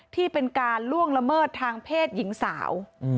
ที่เป็นการล่วงละเมิดทางเพศหญิงสาว